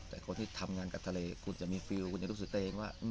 แต่คนที่ทำงานกับทะเลคุณจะมีฟิลคุณจะรู้สึกตัวเองว่า